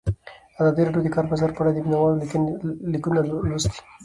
ازادي راډیو د د کار بازار په اړه د مینه والو لیکونه لوستي.